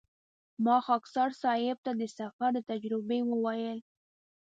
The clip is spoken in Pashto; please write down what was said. ما خاکسار صیب ته د سفر د تجربې وویل.